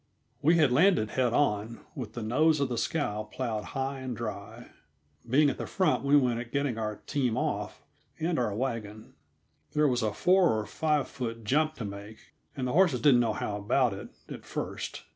We had landed head on, with the nose of the scow plowed high and dry. Being at the front, we went at getting our team off, and our wagon. There was a four or five foot jump to make, and the horses didn't know how about it, at first.